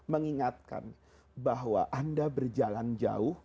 mengingatkan bahwa anda berjalan jauh